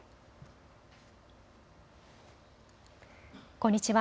こんにちは。